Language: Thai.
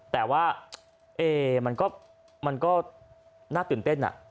แต่ว่ามันก็น่าตื่นเต้น